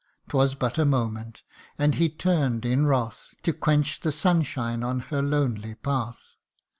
Twas but a moment, and he turn'd in wrath To quench the sunshine on her lonely path.